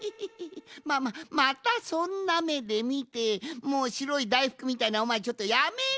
まあまあまたそんなめでみてもうしろいだいふくみたいなおまえちょっとやめろ！